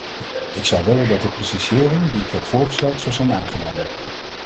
Ik zou willen dat de precisering die ik heb voorgesteld, zou zijn aangenomen.